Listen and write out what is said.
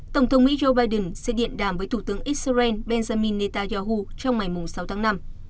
tổng thống mỹ joe biden sẽ điện đàm với thủ tướng israel benjamin netanyahu trong ngày sáu tháng năm